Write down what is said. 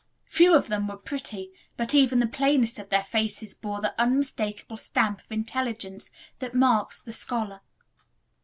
Few of them were pretty, but even the plainest of their faces bore the unmistakable stamp of intelligence that marks the scholar.